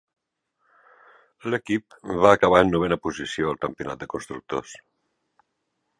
L"equip va acabar en novena posició al Campionat de Constructors.